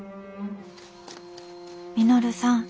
「稔さん。